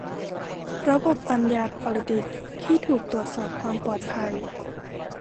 ระบบปัญญาประดิษฐ์ที่ถูกตรวจสอบความปลอดภัย